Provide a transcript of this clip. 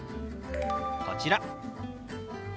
こちら。